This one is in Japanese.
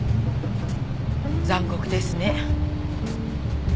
残酷ですね。